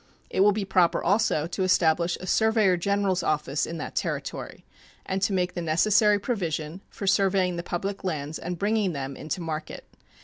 It will be proper also to establish a surveyor general's office in that Territory and to make the necessary provision for surveying the public lands and bringing them into market.